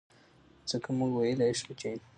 ځکه مونږ وئيلے شو چې